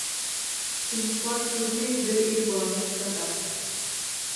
Синдбад түҙмәй, бер ир баланы туҡтата: